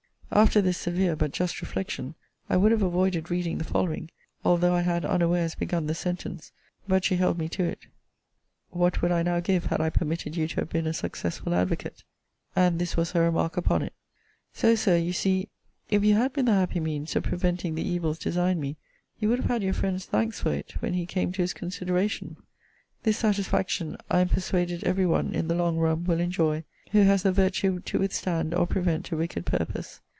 After this severe, but just reflection, I would have avoided reading the following, although I had unawares begun the sentence, (but she held me to it:) What would I now give, had I permitted you to have been a successful advocate! And this was her remark upon it 'So, Sir, you see, if you had been the happy means of preventing the evils designed me, you would have had your friend's thanks for it when he came to his consideration. This satisfaction, I am persuaded every one, in the long run, will enjoy, who has the virtue to withstand, or prevent, a wicked purpose.